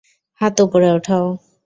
হাত উপরে উঠাও।